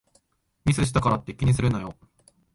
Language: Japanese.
ミスしたからって気にするなよ